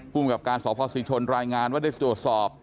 ผู้บังกับการสศศิชนรายงานว่าได้ตรวจสอบ